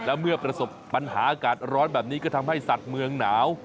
แล้วเมื่อประสบปัญหาอากาศร้อนแบบนี้ก็ทำให้สัตว์เมืองหนาว